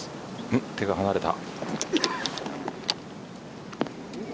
手が離れた。